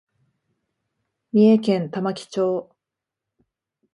三重県玉城町